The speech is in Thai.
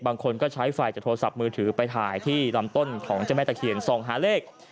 บางคนก็ใช้ไฟจากโทรศัพท์มือถือไปถ่ายที่ลำต้นของเจ้าแม่ตะเคียนส่องหาเลข